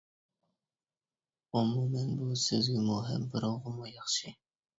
ئومۇمەن، بۇ سىزگىمۇ ھەم بىراۋغىمۇ ياخشى.